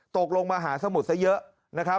ตกลงมหาสมุดซะเยอะ